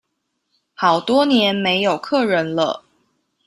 好多年沒有客人了